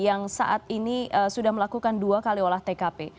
yang saat ini sudah melakukan dua kali olah tkp